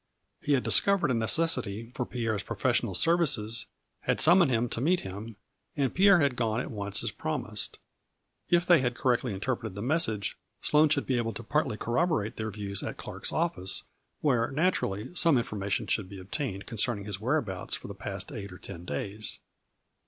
He had discovered a necessity for Pierre's profes sional services, had summoned him to meet him, and Pierre had gone at once as promised. If they had correctly interpreted the message Sloane should be able partly to corroborate their views at Clark's office, where naturally some information should be obtained concern ing his whereabouts for the past eight or ten days.